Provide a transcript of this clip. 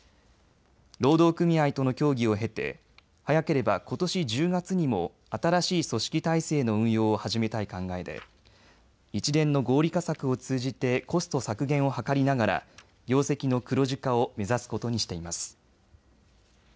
労働組合との協議を経て早ければことし１０月にも新しい組織体制の運用を始めたい考えで一連の合理化策を通じてコスト削減を図りながら業績の黒字化を目指すことにしています。